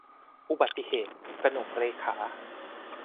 อุบัติเหตุ - กนกเรขา